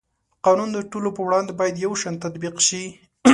قانون د ټولو په وړاندې باید یو شان تطبیق شي.